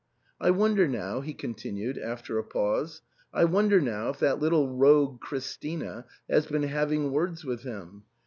"I wonder now," he continued after a pause, — "I wonder now if that' little rogue Christina has been having words with him